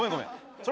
それ